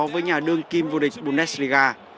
với nhà đương kim vô địch bundesliga